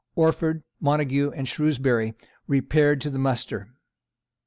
Orford, Montague and Shrewsbury repaired to the muster.